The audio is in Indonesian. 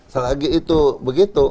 selagi itu begitu